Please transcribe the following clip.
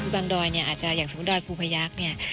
ดอยเนี่ยอาจจะอย่างสมมุติดอยภูพยักษ์เนี่ย